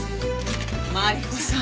マリコさん